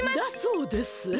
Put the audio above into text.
だそうです。